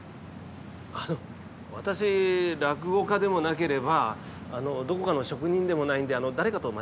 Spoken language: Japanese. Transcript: あの、私落語家でもなければどこかの職人でもないんで誰かと間違ってません？